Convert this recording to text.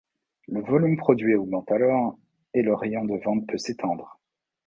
Le volume produit augmente alors et le rayon de vente peut s'étendre.